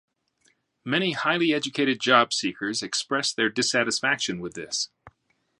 Many highly educated job seekers express their dissatisfaction with this.